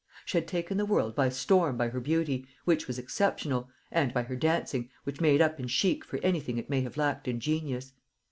She had taken the world by storm by her beauty, which was exceptional, and by her dancing, which made up in chic for anything it may have lacked in genius.